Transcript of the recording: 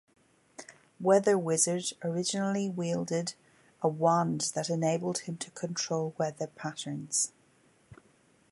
Weather Wizard originally wielded a wand that enabled him to control weather patterns.